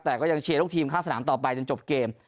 แต่ก็ยังเชียร์ลูกทีมเข้าสนามต่อไปจนจบเกม